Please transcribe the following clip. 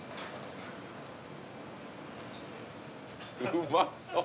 うまそう